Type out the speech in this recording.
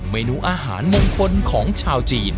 เมนูอาหารมงคลของชาวจีน